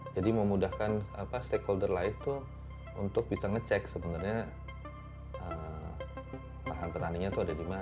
jadi memudahkan stakeholder lain untuk bisa ngecek sebenarnya lahan petaninya itu ada di mana